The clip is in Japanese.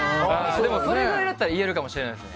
それぐらいだったら言えるかもしれないですね。